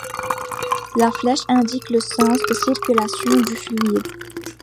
La flèche indique le sens de circulation du fluide.